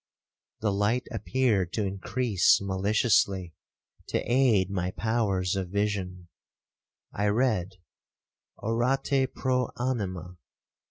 The light appeared to increase maliciously, to aid my powers of vision. I read, 'Orate pro anima.'